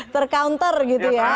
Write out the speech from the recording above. ter counter gitu ya